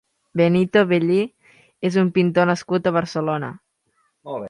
Benito Belli és un pintor nascut a Barcelona.